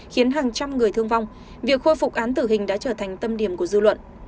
khiến hàng trăm người thương vong việc khôi phục án tử hình đã trở thành tâm điểm của dư luận